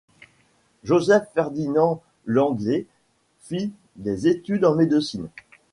Joseph Ferdinand Langlè fit des études en médecine.